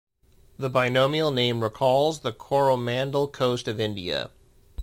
The binomial name recalls the Coromandel Coast of India.